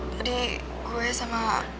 tadi gue sama